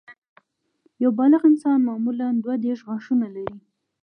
یو بالغ انسان معمولاً دوه دیرش غاښونه لري